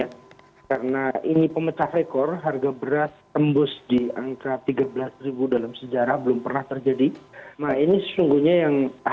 menyebut kenaikan harga beras merupakan masa kritis dan terberat sepanjang sejarah